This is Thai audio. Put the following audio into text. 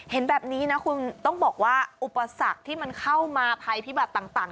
เห็นแบบนี้นะคุณต้องบอกว่าอุปสรรคที่มันเข้ามาภัยพิบัติต่าง